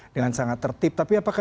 dengan sangat tertib tapi apakah